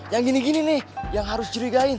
yang gini gini nih yang harus curigain